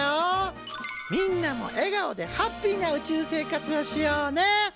みんなも笑顔でハッピーな宇宙生活をしようね！